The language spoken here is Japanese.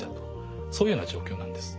そういうような状況なんです。